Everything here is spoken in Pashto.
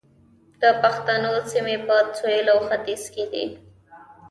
د پښتنو سیمې په سویل او ختیځ کې دي